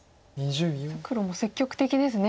黒も積極的ですね。